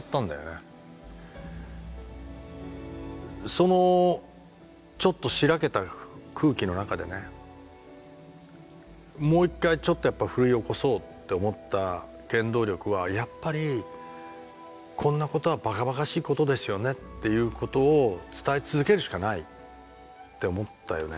そのちょっとしらけた空気の中でねもう一回ちょっとやっぱ奮い起こそうって思った原動力はやっぱりこんなことはバカバカしいことですよねっていうことを伝え続けるしかないって思ったよね